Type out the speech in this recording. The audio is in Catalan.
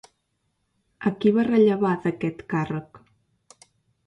A qui va rellevar d'aquest càrrec?